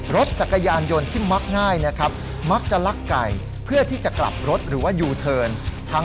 รถจักรยานยนต์ที่มักง่ายนะครับมักจะลักไก่เพื่อที่จะกลับรถหรือว่ายูเทิร์น